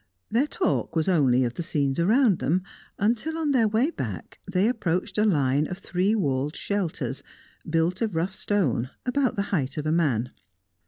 Their talk was only of the scenes around them, until, on their way back, they approached a line of three walled shelters, built of rough stone, about the height of a man.